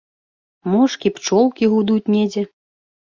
Мошкі, пчолкі гудуць недзе.